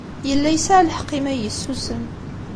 Yella yesɛa lḥeqq imi ay yessusem.